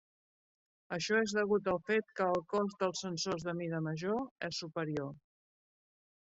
Això és degut al fet que el cost dels sensors de mida major és superior.